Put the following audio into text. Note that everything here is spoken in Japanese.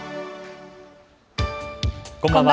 こんばんは。